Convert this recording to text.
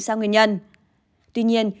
sao nguyên nhân tuy nhiên